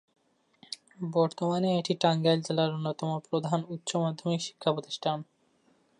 বর্তমানে এটি টাঙ্গাইল জেলার অন্যতম প্রধান উচ্চ মাধ্যমিক শিক্ষা প্রতিষ্ঠান।